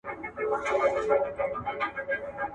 موږ د خپلو مشرانو فکري میراث ته اړتیا لرو.